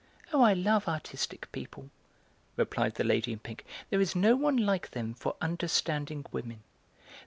"Oh, I love artistic people," replied the lady in pink; "there is no one like them for understanding women.